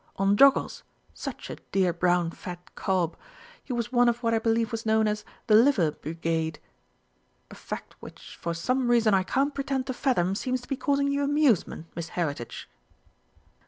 On 'Joggles,' such a dear brown fat cob. He was one of what I believe was known as 'The Liver Brigade' ... a fact which for some reason I can't pretend to fathom seems to be causing you amusement, Miss Heritage."